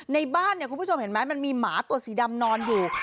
ในบ้านเนี่ยคุณผู้ชมเห็นไหมมันมีหมาตัวสีดำนอนอยู่